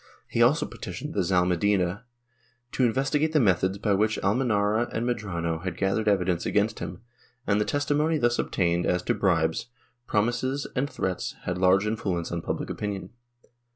He also petitioned the Zalmedina to investigate the methods by which Almenara and Medrano had gathered evidence against him, and the testimony thus obtained as to bribes, promises and threats had large influence on public opinion.